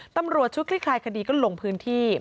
ตำรวจชุดคลี่คลายคดีก็ลงพื้นที่